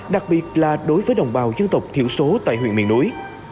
đặc biệt là đối với đồng bào dân tộc thiểu số tại huyện miền núi